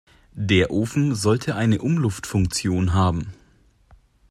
Der Ofen sollte eine Umluftfunktion haben.